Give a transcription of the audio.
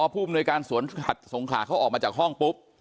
พอพนสวนสัตว์สงขลาเขาออกมาจากห้องปุ๊บ